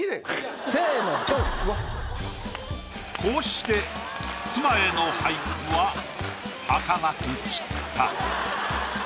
こうして妻への俳句ははかなく散った。